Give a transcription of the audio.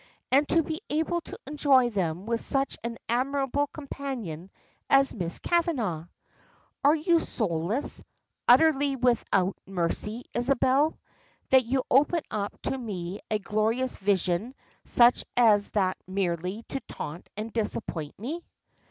And to be able to enjoy them with such an admirable companion as Miss Kavanagh! Are you soulless, utterly without mercy, Isabel, that you open up to me a glorious vision such as that merely to taunt and disappoint me?"